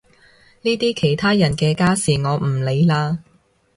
呢啲其他人嘅家事我唔理啦